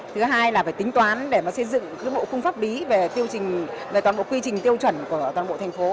thứ hai là phải tính toán để xây dựng các bộ phương pháp bí về toàn bộ quy trình tiêu chuẩn của toàn bộ thành phố